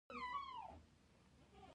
زه د ستړیا احساس کوم.